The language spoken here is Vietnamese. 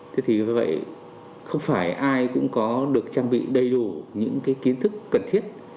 thế thì với vậy không phải ai cũng có được trang bị đầy đủ những kiến thức cần thiết